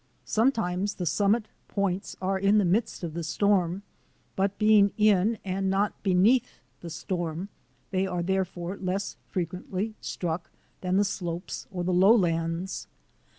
Sometimes the summit points are in the midst of the storm, but being in and not beneath the storm, they are therefore less frequently struck than the slopes or the lowlands.